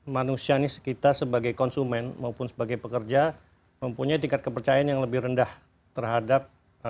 manusianis kita sebagai konsumen maupun sebagai pekerja mempunyai tingkat kepercayaan yang lebih rendah terhadap